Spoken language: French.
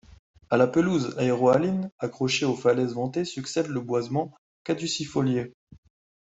À la pelouse aéro-haline accrochée aux falaises ventées succède le boisement caducifolié...